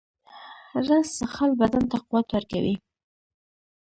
رس څښل بدن ته قوت ورکوي